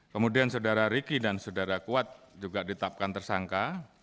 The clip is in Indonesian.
kemudian saudara ricky dan saudara kuat juga ditapkan tersangka